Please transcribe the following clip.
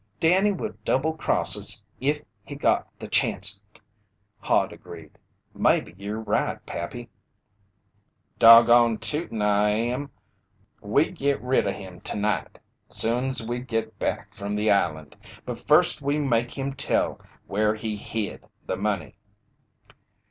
"Danny would double cross us if he got the chanst," Hod agreed. "Maybe ye'r right, Pappy!" "Doggone tootin', I am! We git rid o' him tonight, soon's we git back from this island. But first we make him tell where he hid the money!"